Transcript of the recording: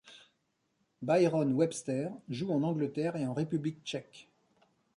Byron Webster joue en Angleterre et en République tchèque.